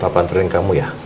papa anterin kamu ya